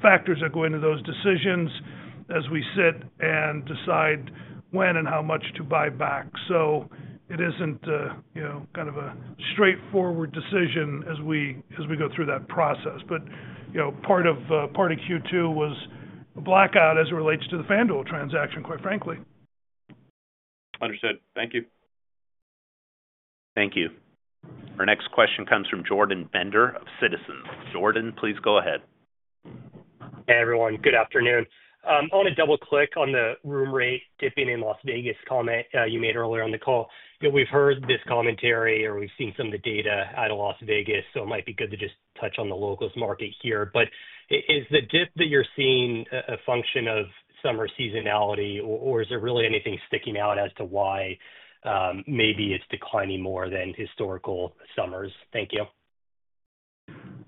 [SPEAKER 2] factors that go into those decisions as we sit and decide when and how much to buy back. So it isn't kind of a straightforward decision as we go through that process. But part of Q2 was blackout as it relates to the FanDuel transaction quite frankly.
[SPEAKER 9] Understood. Thank you.
[SPEAKER 1] Thank you. Our next question comes from Jordan Bender of Citizens. Jordan, please go ahead.
[SPEAKER 10] Hey, everyone. Good afternoon. I want to double click on the room rate in Las Vegas comment you made earlier on the call. We've heard this commentary or we've seen some of the data out of Las Vegas, so it might be good to just touch on the locals market here. But is the dip that you're seeing a function of summer seasonality or is there really anything sticking out as to why maybe it's declining more than historical summers? Thank you.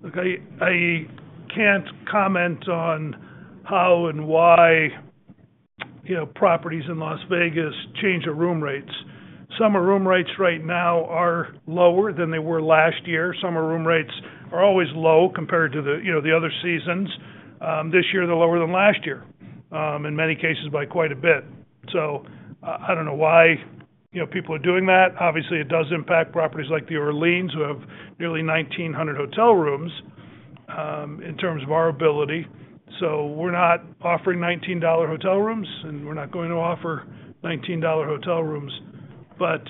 [SPEAKER 2] Okay. I can't comment on how and why properties in Las Vegas change the room rates. Some of room rates right now are lower than they were last year. Some of room rates are always low compared to the other seasons. This year they are lower than last year in many cases by quite a bit. So I don't know why people are doing that. Obviously it does impact properties like the Orleans who have nearly 1,900 hotel rooms in terms of our ability. So we're not offering $19 hotel rooms and we're not going to offer $19 hotel rooms. But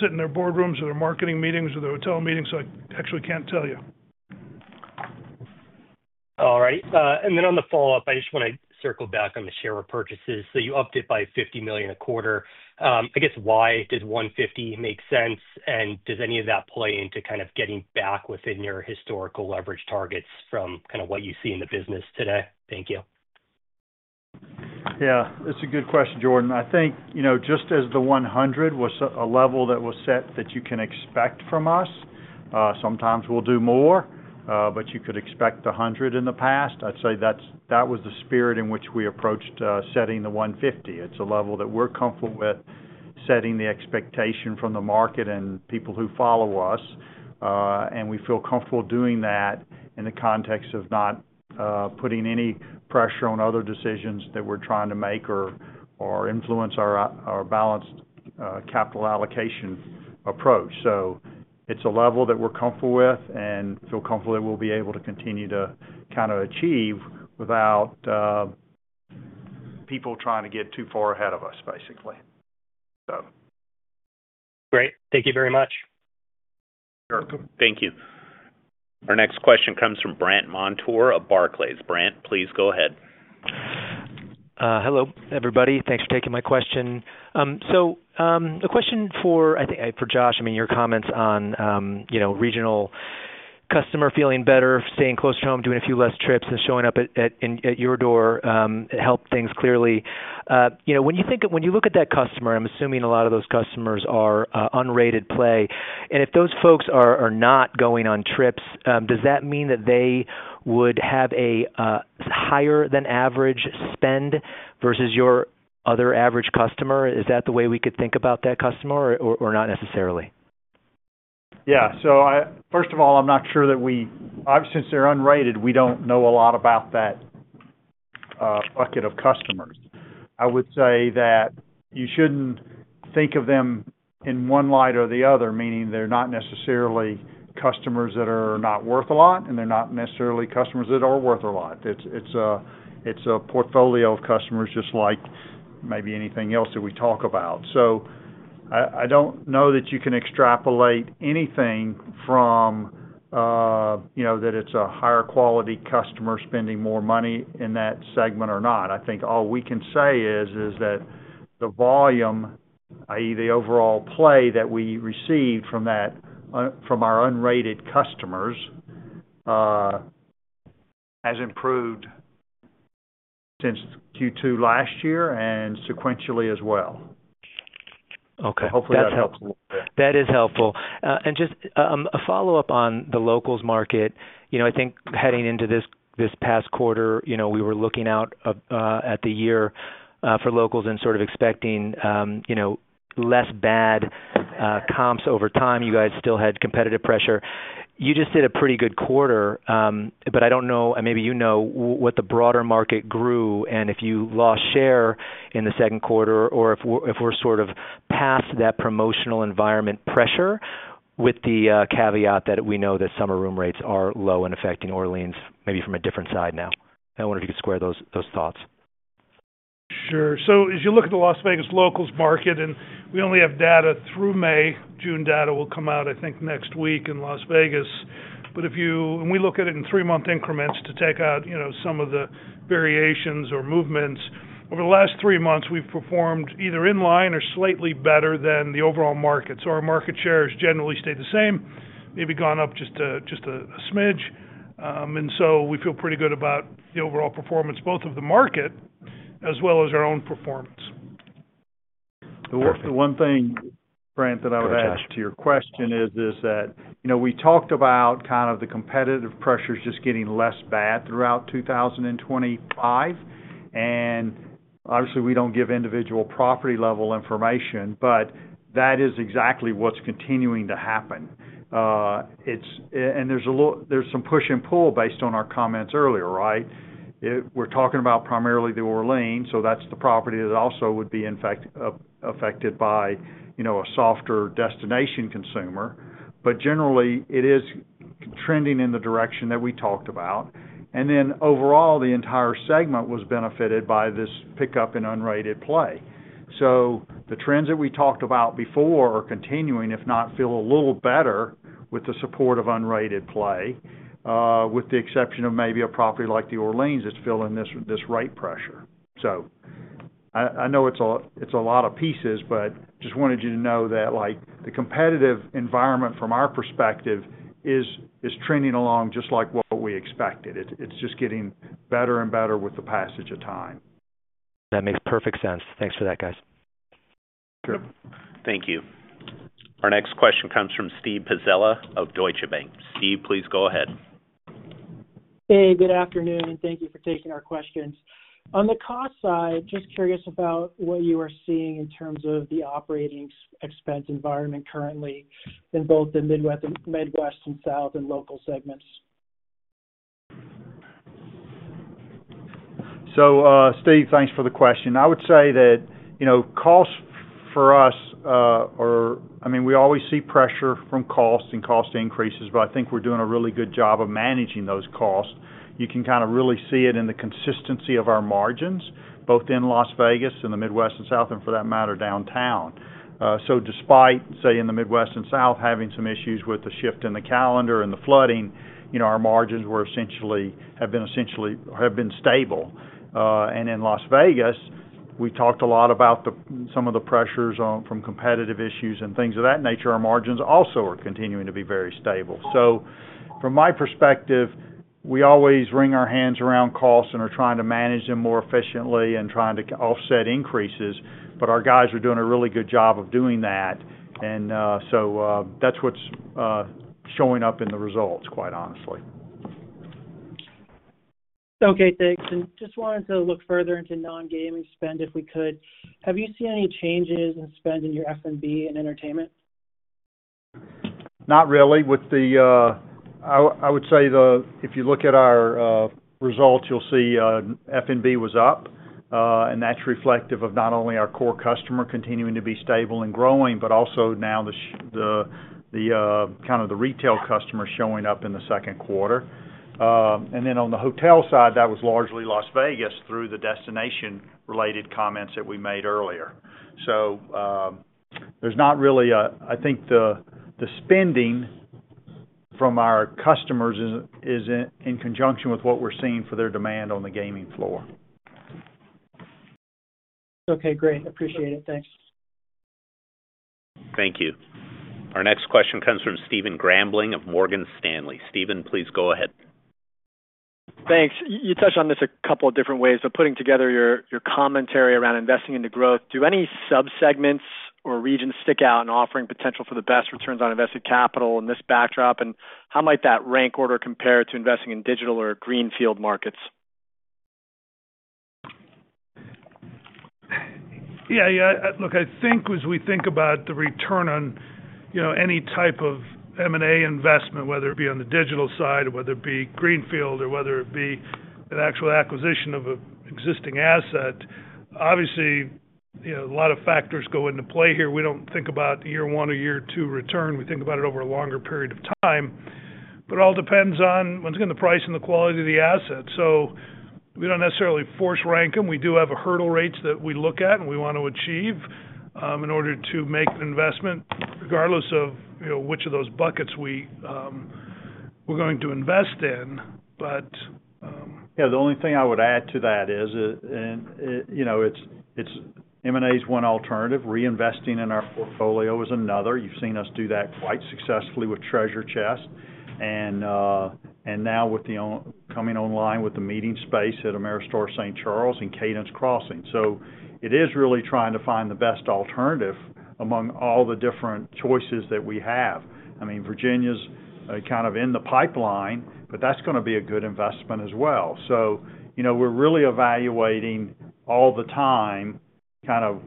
[SPEAKER 2] sit in their boardrooms or their marketing meetings or their hotel meetings, so I actually can't tell you.
[SPEAKER 10] All right. And then on the follow-up, I just want to circle back on the share repurchases. So you upped it by $50,000,000 a quarter. I guess why did 150,000,000 make sense? And does any of that play into kind of getting back within your historical leverage targets from kind of what you see in the business today? Thank you.
[SPEAKER 3] Yes. It's a good question, Jordan. I think just as the 100,000,000 was a level that was set that you can expect from us, sometimes we'll do more, but you could expect the 100 in the past. I'd say that was the spirit in which we approached setting the 150. It's a level that we're comfortable with setting the expectation from the market and people who follow us and we feel comfortable doing that in the context of not putting any pressure on other decisions that we're trying to make or influence our balanced capital allocation approach. So it's a level that we're comfortable with and feel comfortable that we'll be able to continue to kind of achieve without people trying to get too far ahead of us basically.
[SPEAKER 10] Great. Thank you very much.
[SPEAKER 1] You're welcome. You. Our next question comes from Brent Montour of Barclays. Brent, please go ahead.
[SPEAKER 11] Hello everybody. Thanks for taking my question. So a question for think for Josh, mean your comments on regional customer feeling better, staying close to home, doing a few less trips and showing up at your door helped things clearly. You know when you think when you look at that customer I'm assuming a lot of those customers are unrated play and if those folks are not going on trips does that mean that they would have a higher than average spend versus your other average customer? Is that the way we could think about that customer or not necessarily?
[SPEAKER 3] Yeah. So first of all, I'm not sure that we since they're unrated, we don't know a lot about that bucket of customers. I would say that you shouldn't think of them in one light or the other, meaning they're not necessarily customers that are not worth a lot and they're not necessarily customers that are worth a lot. It's a portfolio of customers just like maybe anything else that we talk about. So I don't know that you can extrapolate anything from that it's a higher quality customer spending more money in that segment or not. I think all we can say is that the volume, I. E. The overall play that we received from that from our unrated customers has improved since Q2 last year and sequentially as well. Hopefully that helps a little bit.
[SPEAKER 11] Is helpful. And just a follow-up on the locals market. I think heading into this past quarter you know we were looking out at the year for locals and sort of expecting you know less bad comps over time. You guys still had competitive pressure. You just did a pretty good quarter but I don't know, maybe you know, what the broader market grew and if you lost share in the second quarter or if we're sort of past that promotional environment pressure with the caveat that we know that summer room rates are low and affecting Orleans maybe from a different side now? I wonder if you could square those thoughts.
[SPEAKER 2] Sure. So as you look at the Las Vegas locals market and we only have data through May, June data will come out I think next week in Las Vegas. But if you and we look at it in three month increments to take out some of the variations or movements. Over the last three months we've performed either in line or slightly better than the overall markets. So our market share has generally stayed the same, maybe gone up just a smidge. And so we feel pretty good about the overall performance both of the market as well as our own performance.
[SPEAKER 3] One thing, Brent that I would add to your question is that we talked about kind of the competitive pressures just getting less bad throughout 2025 and obviously we don't give individual property level information, but that is exactly what's continuing to happen. There's some push and pull based on our comments earlier, right? We're talking about primarily the Orleans, so that's the property that also would be affected by a softer destination consumer, but generally it is trending in the direction that we talked about. And then overall, the entire segment was benefited by this pickup in unrated play. The trends that we talked about before are continuing, if not feel a little better with the support of unrated play with the exception of maybe a property like the Orleans that's filling this rate pressure. I know it's a lot of pieces, but just wanted you to know that the competitive environment from our perspective is trending along just like what we expected. It's just getting better and better with the passage of time.
[SPEAKER 11] That makes perfect sense. Thanks for that guys.
[SPEAKER 3] Sure.
[SPEAKER 1] Thank you. Our next question comes from Steve Pizzella of Deutsche Bank. Steve, please go ahead.
[SPEAKER 12] Hey, good afternoon and thank you for taking our questions. On the cost side, just curious about what you are seeing in terms of the operating expense environment currently in both the Midwest and South and local segments?
[SPEAKER 3] So Steve, thanks for the question. I would say that cost for us are I mean, we always see pressure from cost and cost increases, but I think we're doing a really good job of managing those costs. You can kind of really see it in the consistency of our margins, both in Las Vegas and the Midwest and South and for that matter downtown. So despite, say, in the Midwest and South having some issues with the shift in the calendar and the flooding, our margins essentially have been stable. And in Las Vegas, we talked a lot about some of the pressures from competitive issues and things of that nature. Our margins also are continuing to be very stable. So from my perspective, we always wring our hands around costs and are trying to manage them more efficiently and trying to offset increases, but our guys are doing a really good job of doing that. And so that's what's showing up in the results quite honestly.
[SPEAKER 12] Okay. Thanks. And just wanted to look further into non gaming spend if we could. Have you seen any changes in spending your F and B and entertainment?
[SPEAKER 3] Not really. With the I would say the if you look at our results, you'll see F and B was up and that's reflective of not only our core customer continuing to be stable and growing, but also now the kind of the retail customer showing up in the second quarter. And then on the hotel side, that was largely Las Vegas through the destination related comments that we made earlier. So, there's not really, I think the spending from our customers is in conjunction with what we're seeing for their demand on the gaming floor.
[SPEAKER 12] Okay, great. Appreciate it. Thanks.
[SPEAKER 1] Thank you. Our next question comes from Stephen Grambling of Morgan Stanley. Stephen, please go ahead.
[SPEAKER 13] Thanks. You touched on this a couple of different ways. So putting together your commentary around investing into growth, do any sub segments or regions stick out in offering potential for the best returns on invested capital in this backdrop? And how might that rank order compare to investing in digital or greenfield markets?
[SPEAKER 2] Yes, look I think as we think about the return on any type of M and A investment whether it be on the digital side or whether it be greenfield or whether it be an actual acquisition of existing asset. Obviously, a lot of factors go into play here. We don't think about year one or year two return. We think about it over a longer period of time. But all depends on once again the price and the quality of the assets. So we don't necessarily force rank them. We do have a hurdle rates that we look at and we want to achieve in order to make an investment regardless of which of those buckets we're going to invest in.
[SPEAKER 3] Yes, the only thing I would add to that is M and A is one alternative, reinvesting in our portfolio is another. You've seen us do that quite successfully with Treasure Chest. Now with the coming online with the meeting space at Ameristar St. Charles and Cadence Crossing. So it is really trying to find the best alternative among all the different choices that we have. I mean, Virginia is kind of in the pipeline, but that's going to be a good investment as well. So we're really evaluating all the time kind of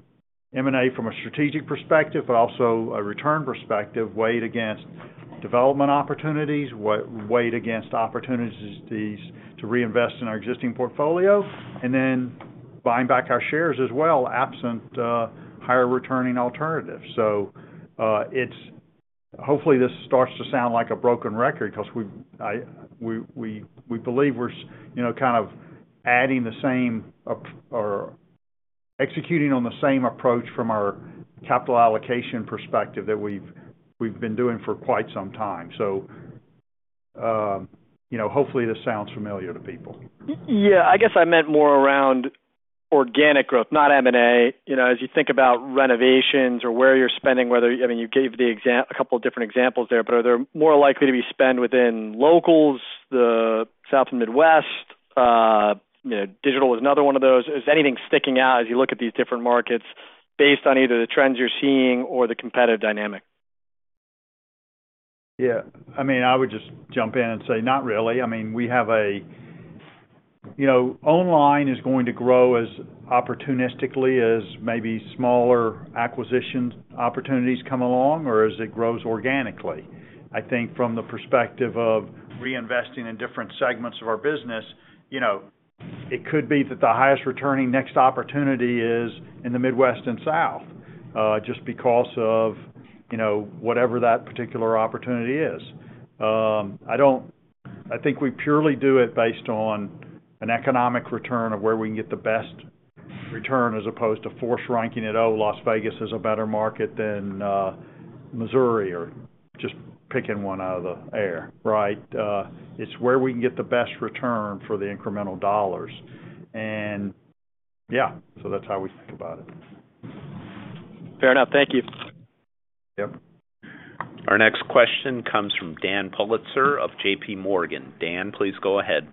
[SPEAKER 3] M and A from a strategic perspective, but also a return perspective weighed against development opportunities, weighed against opportunities to reinvest in our existing portfolio and then buying back our shares as well absent higher returning alternatives. So it's hopefully this starts to sound like a broken record because we believe we're kind of adding the same or executing on the same approach from our capital allocation perspective that we've been doing for quite some time. So hopefully this sounds familiar to people.
[SPEAKER 13] Yes. I guess I meant more around organic growth, not M and A. As you think about renovations or where you're spending, whether you gave a a couple of different examples there. But are there more likely to be spend within locals, the South and Midwest? Digital is another one of those. Is anything sticking out as you look at these different markets based on either the trends you're seeing or the competitive dynamic?
[SPEAKER 3] Yes. I mean, I would just jump in and say not really. I mean, we have a online is going to grow as opportunistically as maybe smaller acquisition opportunities come along or as it grows organically. I think from the perspective of reinvesting in different segments of our business, it could be that the highest returning next opportunity is in the Midwest and South, just because of whatever that particular opportunity is. I think we purely do it based on an economic return of where we can get the best return as opposed to force ranking it, Las Vegas is a better market than Missouri or just picking one out of the air, right? It's where we can get the best return for the incremental dollars. And yes, so that's how we think about it.
[SPEAKER 13] Fair enough. Thank you.
[SPEAKER 1] Our next question comes from Dan Pulitzer of JPMorgan. Dan, please go ahead.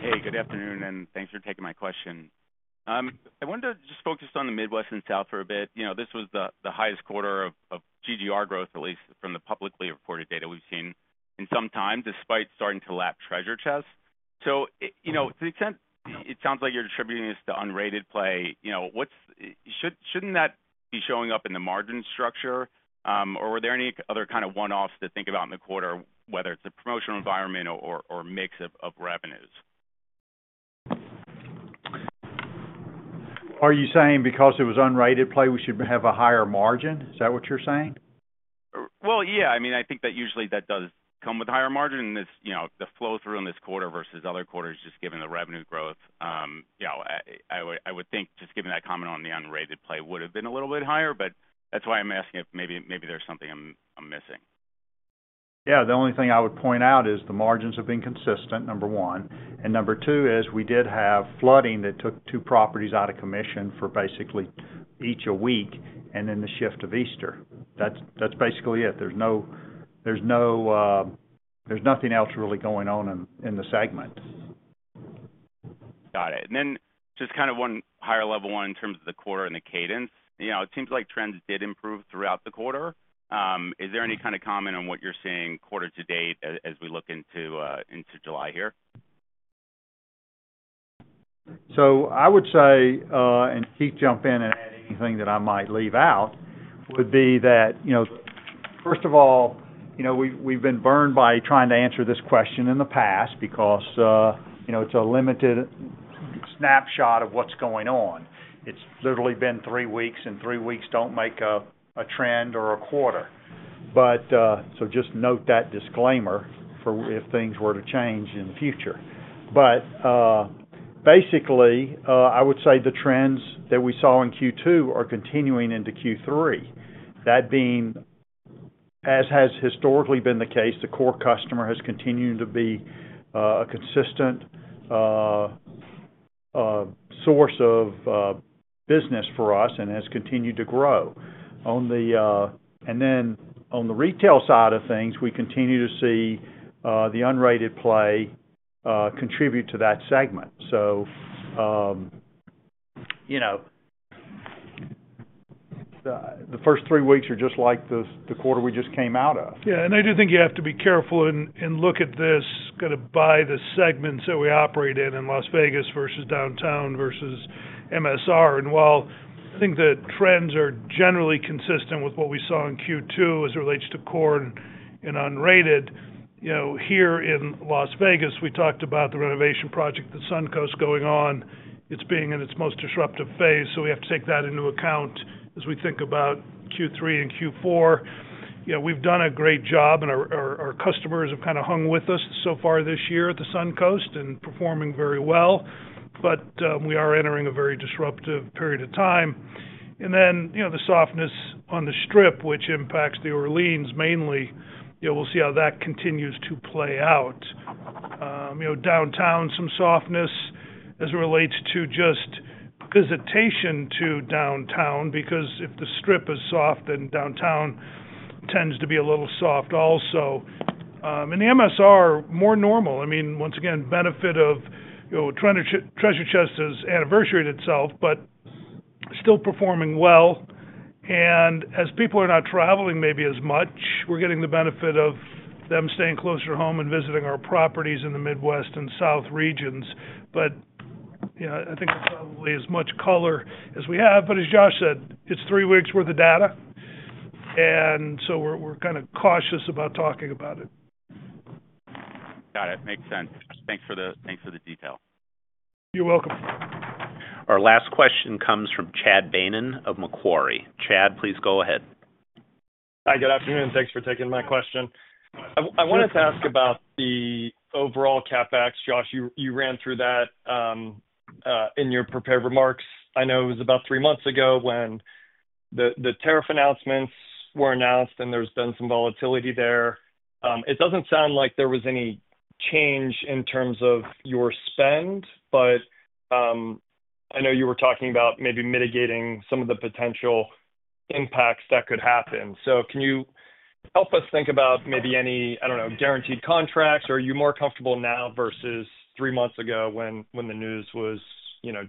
[SPEAKER 14] Hey, good afternoon, and thanks for taking my question. I wanted to just focus on the Midwest and South for a bit. This was the highest quarter of GGR growth, at least from the publicly reported data we've seen in some time despite starting to lap treasure chests. So to the extent it sounds like you're attributing this to unrated play, what's shouldn't that be showing up in the margin structure? Or were there any other kind of one offs to think about in the quarter, whether it's a promotional environment or mix of revenues?
[SPEAKER 3] Are you saying because it was unrated play, we should have a higher margin? Is that what you're saying?
[SPEAKER 14] Well, yes. I I think that usually that does come with higher margin. The flow through in this quarter versus other quarters just given the revenue growth, I would think just given that comment on the unrated play would have been a little bit higher, but that's why I'm asking if maybe there's something I'm missing.
[SPEAKER 3] Yes. The only thing I would point out is the margins have been consistent, number one. And number two is we did have flooding that took two properties out of commission for basically each a week and then the shift of Easter. That's basically it. There's nothing else really going on in the segment.
[SPEAKER 14] Got it. And then just kind of one higher level one in terms of quarter and the cadence. It seems like trends did improve throughout the quarter. Is there any kind of comment on what you're seeing quarter to date as we look into July here?
[SPEAKER 3] So I would say and Keith jump in and add anything that I might leave out would be that, first of all, we've been burned by trying to answer this question in the past because it's a limited snap shot of what's going on. It's literally been three weeks and three weeks don't make a trend or a quarter. But so just note that disclaimer for if things were to change in the future. But basically, I would say the trends that we saw in Q2 are continuing into Q3. That being as has historically been the case, the core customer has continued to be a consistent source of business for us and has continued to grow. And then on the retail side of things, we continue to see the unrated play contribute to that segment. First three weeks are just like the quarter we just came out of.
[SPEAKER 2] Yeah, and I do think you have to be careful and look at this kind of by the segments that we operate in, in Las Vegas versus Downtown versus MSR. And while I think the trends are generally consistent with what we saw in Q2 as it relates to corn and unrated, Here in Las Vegas, we talked about the renovation project, Suncoast going on, it's being in its most disruptive phase. So we have to take that into account as we think about Q3 and Q4. We've done a great job and our customers have kind of hung with us so far this year at the Suncoast and performing very well. But we are entering a very disruptive period of time. And then the softness on the strip which impacts the Orleans mainly, we will see how that continues to play out. Downtown some softness as it relates to just visitation to downtown because if the strip is soft and downtown tends to be a little soft also. In the MSR more normal, mean once again benefit of treasure chest has anniversaried itself but still performing well. And as people are not traveling maybe as much, we are getting the benefit of them staying closer home and visiting our properties in the Midwest and South regions. But I think as much color as we have, but as Josh said, it's three weeks worth of data. And so we're kind of cautious about talking about it.
[SPEAKER 14] Got it, makes sense. Thanks for the detail.
[SPEAKER 2] You're welcome.
[SPEAKER 1] Our last question comes from Chad Beynon of Macquarie. Chad, please go ahead.
[SPEAKER 15] Hi, good afternoon. Thanks for taking my question. I wanted to ask about the overall CapEx. Josh, you ran through that in your prepared remarks. I know it was about three months ago when the tariff announcements were announced and there's been some volatility there. It doesn't sound like there was any change in terms of your spend, but I know you were talking about maybe mitigating some of the potential impacts that could happen. So can you help us think about maybe any, I don't know, guaranteed contracts? Are you more comfortable now versus three months ago when the news was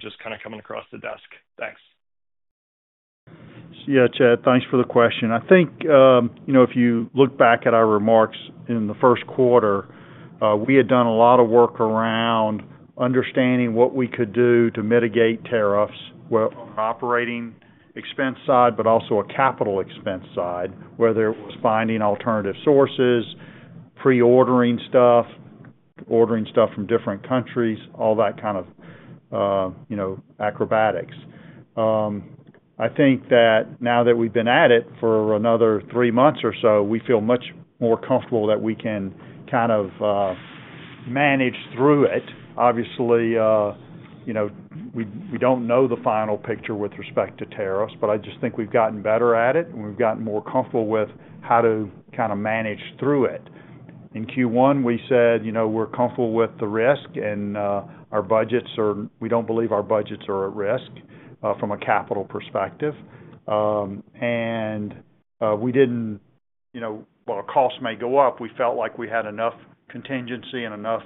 [SPEAKER 15] just kind of coming across the desk? Thanks.
[SPEAKER 3] Yes, Chad, thanks for the question. I think if you look back at our remarks in the first quarter, we had done a lot of work around understanding what we could do to mitigate tariffs on operating expense side, but also a capital expense side, whether it was finding alternative sources, pre ordering stuff, ordering stuff from different countries, all that kind of acrobatics. I think that now that we've been at it for another three months or so, we feel much more comfortable that we can kind of manage through it. Obviously, we don't know the final picture with respect to tariffs, but I just think we've gotten better at it and we've gotten more comfortable with how to kind of manage through it. In Q1, we said we're comfortable with the risk and our budgets are we don't believe our budgets are at risk from a capital perspective. And we didn't while our cost may go up, we felt like we had enough contingency and enough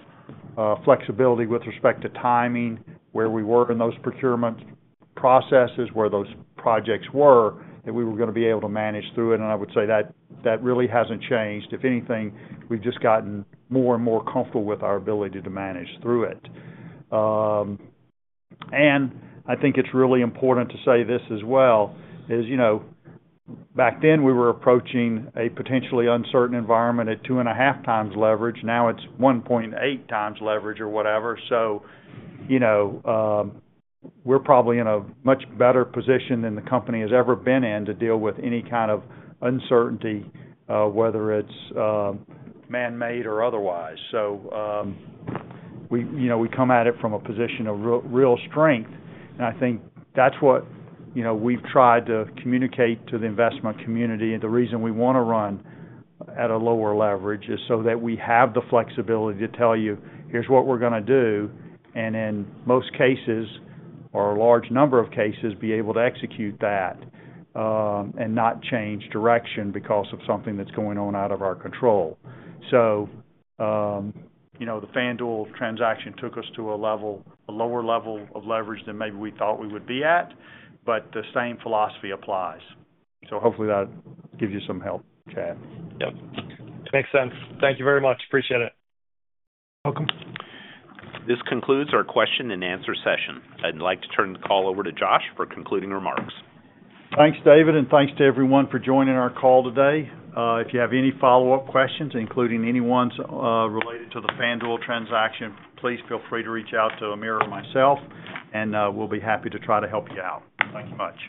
[SPEAKER 3] flexibility with respect to timing, where we were in those procurement processes, where those projects were, that we were going to be able to manage through it. I would say that really hasn't changed. If anything, we've just gotten more and more comfortable with our ability to manage through it. And I think it's really important to say this as well, back then we were approaching a potentially uncertain environment at 2.5 times leverage. Now it's 1.8 times leverage or whatever. So we're probably in a much better position than the company has ever been in to deal with any kind of uncertainty, whether it's man made or otherwise. So we come at it from a position of real strength. And I think that's what we've tried to communicate to the investment community. And the reason we want to run at a lower leverage is so that we have the flexibility to tell you, here's what we're going to do and in most cases or a large number of cases be able to execute that and not change direction because of something that's going on out of our control. So the FanDuel transaction took us to a level, a lower level of leverage than maybe we thought we would be at, but the same philosophy applies. So hopefully that gives you some help, Chad.
[SPEAKER 15] Makes sense. Thank you very much. Appreciate it.
[SPEAKER 3] Welcome.
[SPEAKER 1] This concludes our question and answer session. I'd like to turn the call over to Josh for concluding remarks.
[SPEAKER 3] Thanks, David, and thanks to everyone for joining our call today. If you have any follow-up questions, including anyone's related to to the FanDuel transaction, please feel free to reach out to Amir or myself, and we'll be happy to try to help you out. Thank you much.